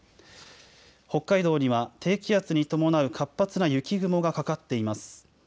北海道には低気圧に伴う活発な雪雲がかかっています。